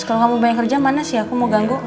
kalau kamu banyak kerja mana sih aku mau ganggu